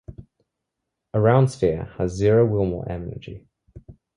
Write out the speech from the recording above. A round sphere has zero Willmore energy.